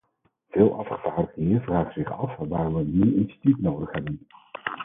Veel afgevaardigden hier vragen zich af waarom we een nieuw instituut nodig hebben.